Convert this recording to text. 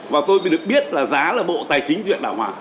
và tôi mới được biết là giá là bộ tài chính duyên đảo hòa